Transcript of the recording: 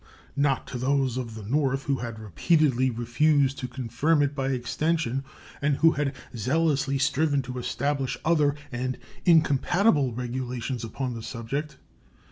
Not to those of the North, who had repeatedly refused to confirm it by extension and who had zealously striven to establish other and incompatible regulations upon the subject.